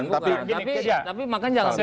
bukan bukan tapi makanya jangan bicara